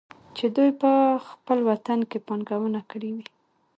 چې دوي په خپل وطن کې پانګونه کړى وى.